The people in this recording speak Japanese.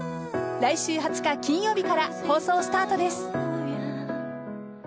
来週２０日、金曜日から放送スタートです。